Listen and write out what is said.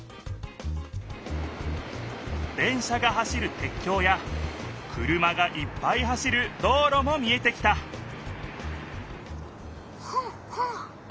電車が走るてっきょうや車がいっぱい走る道ろも見えてきたフガフガ。